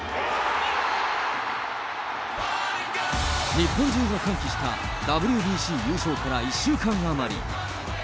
日本中が歓喜したＷＢＣ優勝から１週間余り。